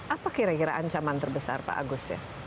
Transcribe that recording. apa kira kira ancaman terbesar pak agus ya